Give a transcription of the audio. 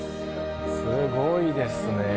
すごいですね。